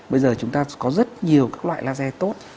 bây giờ chúng ta có rất nhiều các loại laser tốt